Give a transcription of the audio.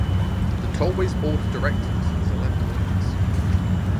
The Tollway's board of directors has eleven members.